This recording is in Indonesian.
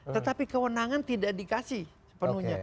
tetapi kewenangan tidak dikasih sepenuhnya